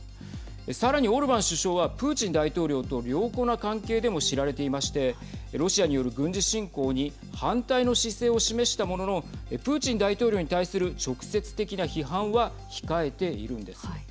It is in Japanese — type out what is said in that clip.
さらに、オルバン首相はプーチン大統領と良好な関係でも知られていましてロシアによる軍事侵攻に反対の姿勢を示したもののプーチン大統領に対する直接的な批判は控えているんです。